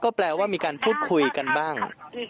แปลว่ามีการพูดคุยกันบ้าง